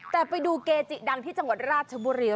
แต่ไปดูเกจิดังที่จังหวัดราชบุรี